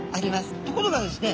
ところがですね